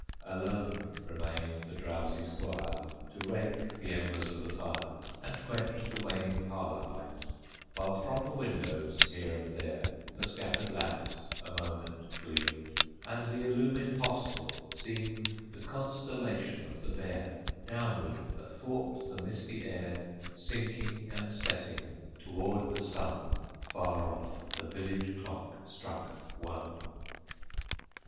Alone remained the drowsy Squire To rake the embers of the fire, And quench the waning parlor light; While from the windows, here and there, The scattered lamps a moment gleamed, And the illumined hostel seemed The constellation of the Bear, Downward, athwart the misty air, Sinking and setting toward the sun. Far off the village clock struck one.